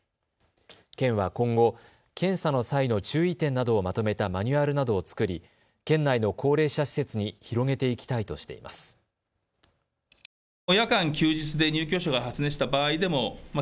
県は今後、検査の際の注意点などをまとめたマニュアルなどを作り県内の高齢者施設に広げていきたいとしています。